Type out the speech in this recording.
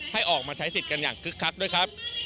ให้ออกมาใช้สิทธิ์กันอย่างคึกคักด้วยครับ